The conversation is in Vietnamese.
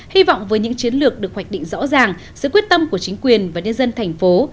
hy vọng với những chiến lược được hoạch định rõ ràng sự quyết tâm của chính quyền và nhân dân thành phố